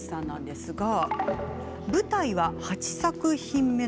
一方、舞台は８作品目。